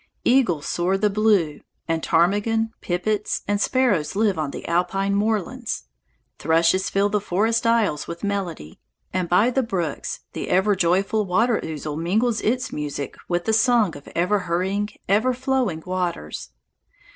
Eagles soar the blue, and ptarmigan, pipits, and sparrows live on the alpine moorlands. Thrushes fill the forest aisles with melody, and by the brooks the ever joyful water ouzel mingles its music with the song of ever hurrying, ever flowing waters.